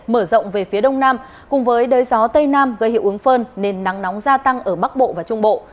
mở rộng về phía đông nam cùng với đới gió tây nam gây hiệu ứng phơn nên nắng nóng gia tăng ở bắc bộ và trung bộ